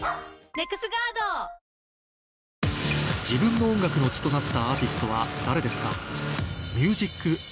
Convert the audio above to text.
自分の音楽の血となったアーティストは誰ですか？